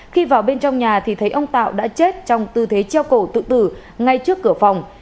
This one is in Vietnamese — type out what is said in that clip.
khi vào bên trong nhà thì thấy ông tạo đã chết trong tư thế treo cổ tự tử ngay trước cửa phòng